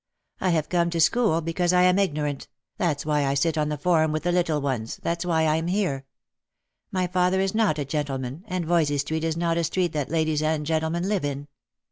" I have come to school because I am ignorant — that's why I sit on the form with the little ones, that's why I am here. My father is not a gentleman, and Yoysey street is not a street that ladies and gentlemen live in.